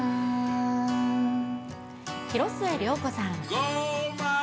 広末涼子さん。